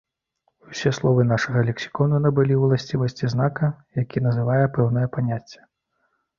Усе словы нашага лексікону набылі ўласцівасці знака, які называе пэўнае паняцце.